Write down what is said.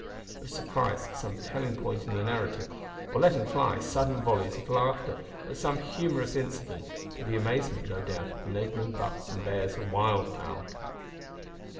of surprise at some telling point in the narrative, or letting fly sudden volleys of laughter at some humorous incident, to the amazement, no doubt of the neighbouring bucks and bears and wild fowl.